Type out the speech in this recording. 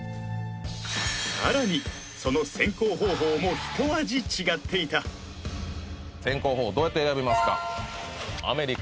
さらにその選考方法もひと味違っていた選考方法どうやって選びますか？